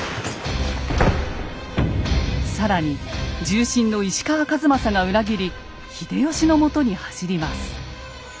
更に重臣の石川数正が裏切り秀吉のもとに走ります。